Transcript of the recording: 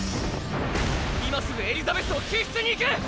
今すぐエリザベスを救出に行く！